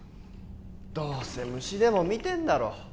どうせ虫でも見てんだろ